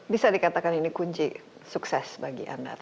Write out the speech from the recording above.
bisa dikatakan ini kunci sukses bagi anda